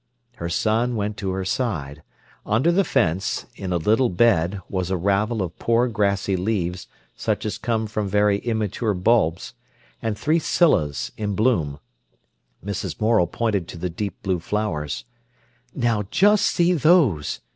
Her son went to her side. Under the fence, in a little bed, was a ravel of poor grassy leaves, such as come from very immature bulbs, and three scyllas in bloom. Mrs. Morel pointed to the deep blue flowers. "Now, just see those!"